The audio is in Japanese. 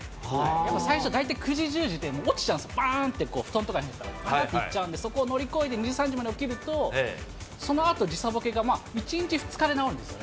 やっぱ最初、大体９時、１０時で、起きちゃうんです、ばーんって布団で寝てたら、ばっていっちゃうんで、そこを乗り越えて、２時、３時まで起きると、そのあと時差ぼけが１日、２日でなおるんですよ。